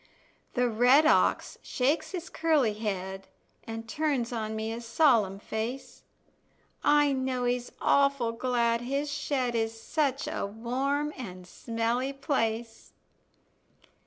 The red ox shakes his curly head, An' turns on me a solemn face; I know he's awful glad his shed Is such a warm and smelly place.